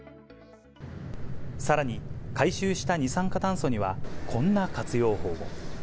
さらに回収した二酸化炭素には、こんな活用法も。